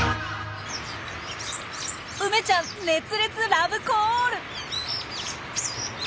梅ちゃん熱烈ラブコール！